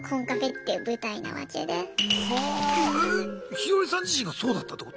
ヒヨリさん自身がそうだったってこと？